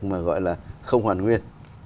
mà gọi là không hoàn nguyên